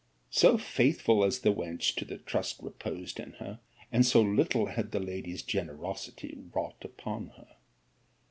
So faithful as the wench to the trust reposed in her, and so little had the lady's generosity wrought upon her.